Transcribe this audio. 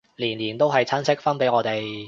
年年都係親戚分俾我哋